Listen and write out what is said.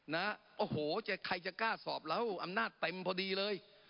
นะโอ้โหใครจะกล้าสอบแล้วอำนาจเต็มพอดีเลย